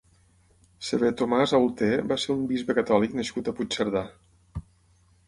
Sever Tomàs Auter va ser un bisbe catòlic nascut a Puigcerdà.